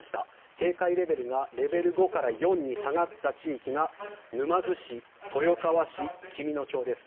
警戒レベルがレベル５から４に下がった地域が沼津市、豊川市、紀美野町です。